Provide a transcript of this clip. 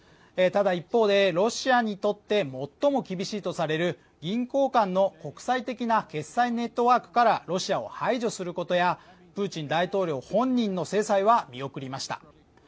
ただ一方で、ロシアにとって最も厳しいとされる銀行間の国際的な決済ネットワークからロシアを排除することやプーチン大統領本人の制裁は見送りました。